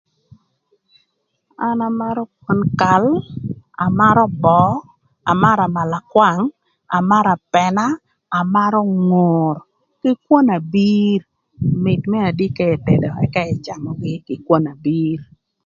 An amarö kwon kal, amarö böö, amarö amalakwang, amarö apëna, amarö ngor kï kwon abir, mït me adi ka etedo ëka ëcamö kï kwon abir.